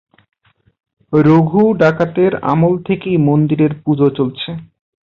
রঘু ডাকাতের আমল থেকেই মন্দিরের পুজো চলছে।